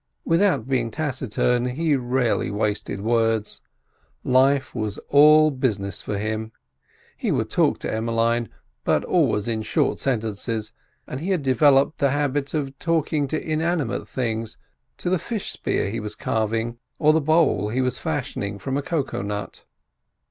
Without being taciturn, he rarely wasted words. Life was all business for him. He would talk to Emmeline, but always in short sentences; and he had developed the habit of talking to inanimate things, to the fish spear he was carving, or the bowl he was fashioning from a cocoa nut.